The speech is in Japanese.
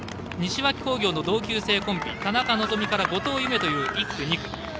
西脇工業の同級生コンビ田中希実から後藤夢という１区、２区。